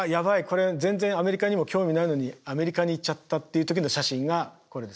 これ全然アメリカにも興味ないのにアメリカに行っちゃった」っていう時の写真がこれです。